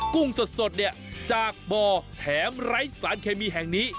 กุ้งสดเนี่ยจากบ่อแถมไร้สารเคมีแห่งนี้